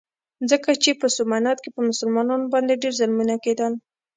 ځکه چې په سومنات کې په مسلمانانو باندې ډېر ظلمونه کېدل.